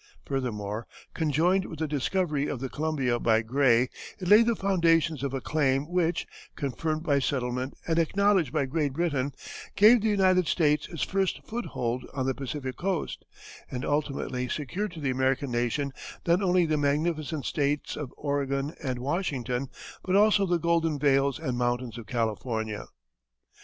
Furthermore, conjoined with the discovery of the Columbia by Gray, it laid the foundations of a claim which, confirmed by settlement and acknowledged by Great Britain, gave the United States its first foothold on the Pacific coast, and ultimately secured to the American nation not only the magnificent States of Oregon and Washington, but also the golden vales and mountains of California.